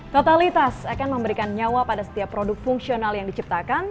totalitas akan memberikan nyawa pada setiap produk fungsional yang diciptakan